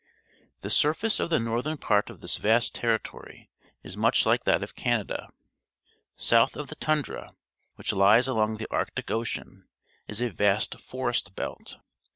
— The surface of the northern part of this vast territory is much Hke that of Canada. South of the tundra, which lies along the Arctic Ocean, is a vast forest belt.